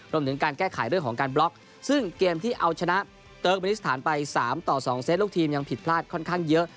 รวมถึงการแก้ไขเรื่องของการบล็อกซึ่งเกมที่เอาชนะเติร์กมินิสถานไป๓ต่อ๒เซตลูกทีมยังผิดพลาดค่อนข้างเยอะ